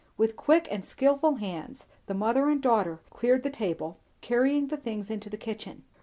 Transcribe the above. With quick and skilful hands the mother and daughter cleared the table, carrying the things into the kitchen.